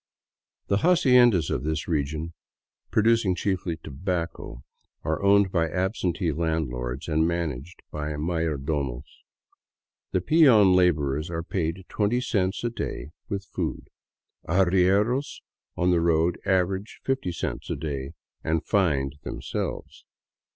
The haciendas of this region, producing chiefly tobacco, are owned by absentee landlords and managed by mayordomos. The peon labor ers are paid twenty cents a day with food. Arrieros on the road aver age fifty cents a day and " find " themselves.